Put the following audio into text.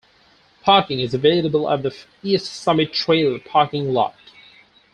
Parking is available at the East Summit Trail parking lot.